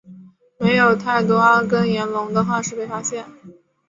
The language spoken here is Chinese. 没有太多阿根廷龙的化石被发现。